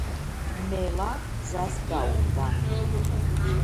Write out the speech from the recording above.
მელა გზას გაუდგა